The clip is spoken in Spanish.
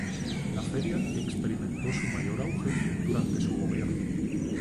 La feria experimentó su mayor auge durante su gobierno.